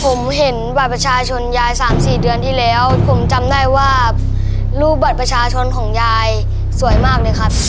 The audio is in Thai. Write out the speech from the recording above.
ผมเห็นบัตรประชาชนยายสามสี่เดือนที่แล้วผมจำได้ว่ารูปบัตรประชาชนของยายสวยมากเลยครับ